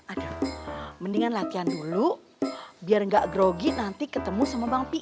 aduh mendingan latihan dulu biar gak grogi nanti ketemu sama bang p i